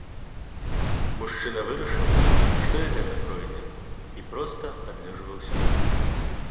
Мужчына вырашыў, што і гэта пройдзе, і проста адлежваўся дома.